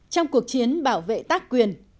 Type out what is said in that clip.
trong cuộc chiến bảo vệ tác quyền